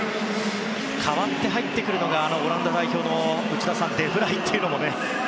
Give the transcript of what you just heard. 代わって入ってくるのがオランダ代表のデフライっていうのもね。